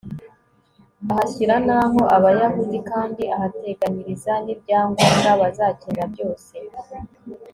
ahashyira na ho abayahudi kandi ahateganyiriza n'ibya ngombwa bazakenera byose